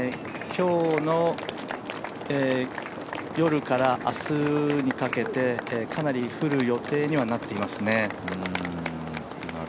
今日の夜から明日にかけてかなり降る予定にはなっていますね。